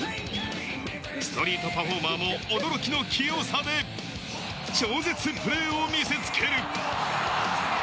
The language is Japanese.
ストリートパフォーマーも驚きの器用さで超絶プレーを見せつける！